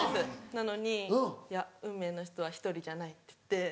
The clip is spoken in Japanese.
なのに「いや運命の人は１人じゃない」って言って。